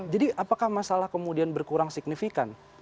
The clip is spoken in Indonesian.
jadi apakah masalah kemudian berkurang signifikan